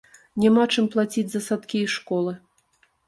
Няма чым плаціць за садкі і школы!